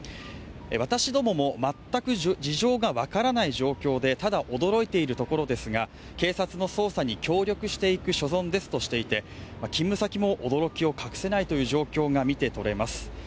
私どもも全く事情が分からない状況でただ驚いているところですが、警察の捜査に協力していく所存ですとしていて勤務先も驚きを隠せないという状況が見てとれます。